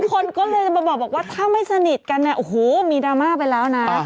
คนก็เลยจะมาบอกว่าถ้าไม่สนิทกันเนี่ยโอ้โหมีดราม่าไปแล้วนะ